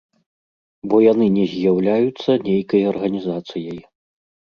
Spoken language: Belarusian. Бо яны не з'яўляюцца нейкай арганізацыяй.